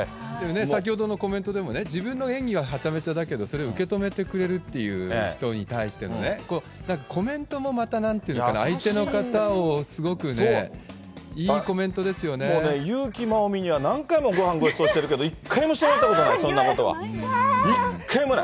先ほどのコメントでもね、自分の演技ははちゃめちゃだけど、それを受け止めてくれるっていう、人に対してのね、なんかコメントもまたなんていうかな、相手の方をすごくね、いいもうね、優木まおみには何回もごはんごちそうしてるけど一回もしてもらったことない、そんなことは、一回もない。